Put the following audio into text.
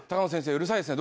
うるさいですね。